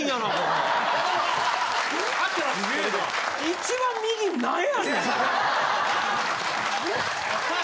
一番右なんやねん。